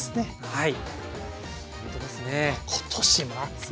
はい。